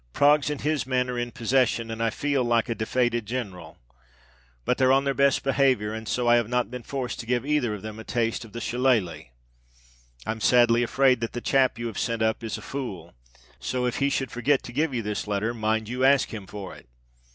Proggs and his man are in possission; and I feel like a defated ginral: but they're on their best behaviour, and so I have not been forced to give either of them a taste of the shillaylee. I'm sadly afraid that the chap you have sent up is a fool; so if he should forget to give you this letter, mind you ask him for it.